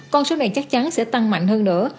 con số này chắc chắn sẽ tăng mạnh hơn nữa